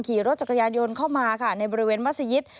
ขี่รถจักรยานยนต์เข้ามาค่ะในบริเวณมัศยิต